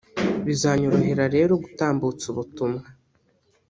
bizanyorohera rero gutambutsa ubutumwa